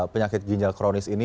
penyakit ginjal kronis ini